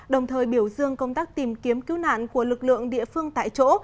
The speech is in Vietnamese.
đồng thời biểu dương công tác tìm kiếm cứu nạn của lực lượng địa phương tại chỗ